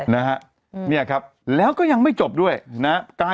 นี่ครับแล้วก็ยังไม่จบด้วยนะ